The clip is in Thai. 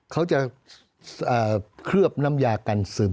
เขาจะเคลือบน้ำยากันซึม